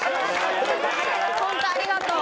本当ありがとう。